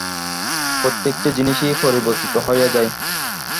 প্রত্যেকটি জিনিষই পরিবর্তিত হইয়া যায়।